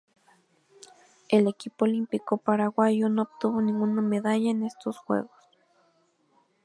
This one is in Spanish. El equipo olímpico paraguayo no obtuvo ninguna medalla en estos Juegos.